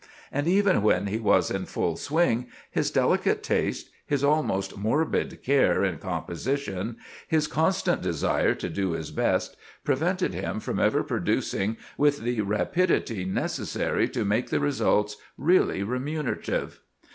And even when he was in full swing, his delicate taste, his almost morbid care in composition, his constant desire to do his best, prevented him from ever producing with the rapidity necessary to make the results really remunerative.